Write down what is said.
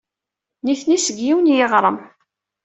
Nitni seg yiwen n yiɣrem.